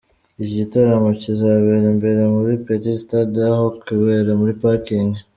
Iki gitaramo kizabera imbere muri Petit Stade aho kubera muri Parking.